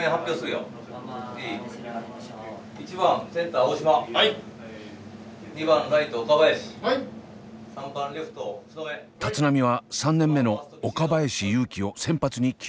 立浪は３年目の岡林勇希を先発に起用。